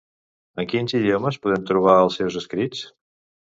En quins idiomes podem trobar els seus escrits?